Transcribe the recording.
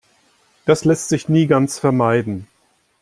Das lässt sich nie ganz vermeiden.